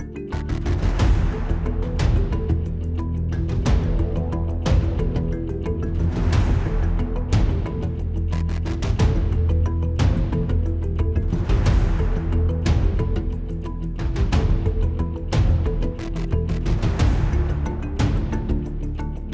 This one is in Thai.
โปรดติดตามตอนต่อไป